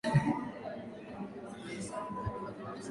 Kesho ntaenda shule mapema